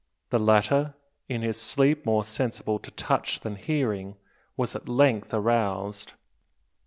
The latter, in his sleep more sensible to touch than hearing, was at length aroused.